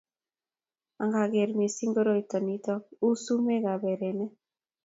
ang'er msing' koroito nito uu sumukab erene.